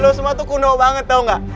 eh lu semua tuh kuno banget tau ga